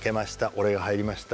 俺が入りました。